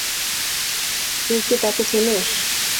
তুই কি তাকে চিনিস?